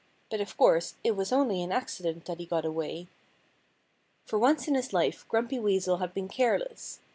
But of course it was only an accident that he got away. For once in his life Grumpy Weasel had been careless.